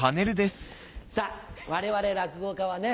さぁ我々落語家はね